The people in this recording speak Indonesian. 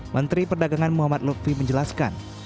menteri perdagangan muhammad lutfi menjelaskan